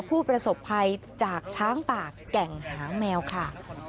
ผู้ประสบภัยจากช้างป่าแก่งหางแมวค่ะ